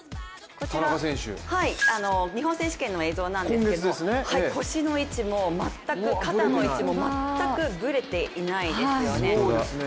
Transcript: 日本選手権の映像なんですけど、腰の位置も肩の位置も全くぶれていないですよね。